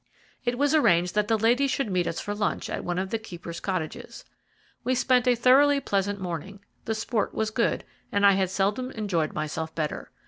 It was arranged that the ladies should meet us for lunch at one of the keepers' cottages. We spent a thoroughly pleasant morning, the sport was good, and I had seldom enjoyed myself better.